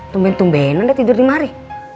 tumben tumbenan dia tidur di mari